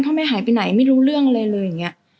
พ่อแม่หายไปไหนไม่รู้เรื่องอะไรอย่างเงี้ย